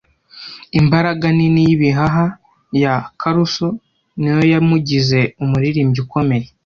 Imbaraga nini y'ibihaha ya Caruso niyo yamugize umuririmbyi ukomeye.